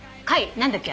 何だっけ？